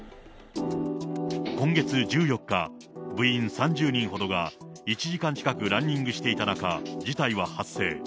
今月１４日、部員３０人ほどが１時間近くランニングしていた中、事態は発生。